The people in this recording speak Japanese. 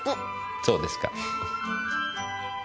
そうですか。